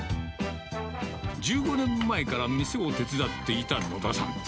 １５年前から店を手伝っていた野田さん。